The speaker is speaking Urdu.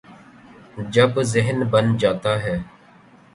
جب ذہن بن جاتا ہے۔